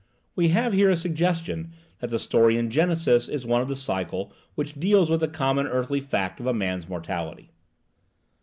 We have here a suggestion that the story in Genesis is one of the cycle which dealt with the common earthly fact of man's mortality.